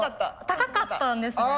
高かったんですね。